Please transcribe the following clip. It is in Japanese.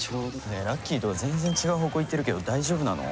ねえラッキーとは全然違う方向行ってるけど大丈夫なの？